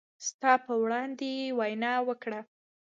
ستا په وړاندې يې وينه وکړه